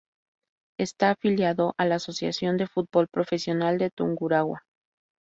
Está afiliado a la Asociación de Fútbol Profesional de Tungurahua.